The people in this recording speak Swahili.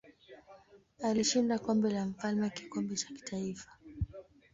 Alishinda Kombe la Mfalme kikombe cha kitaifa.